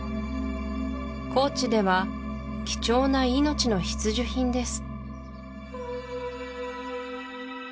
高地では貴重な命の必需品です